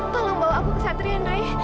tolong bawa aku ke satria drei